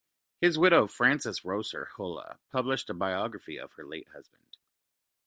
His widow Frances Rosser Hullah published a biography of her late husband.